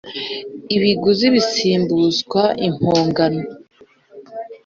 ibiguzi bisimbuzwa impongano.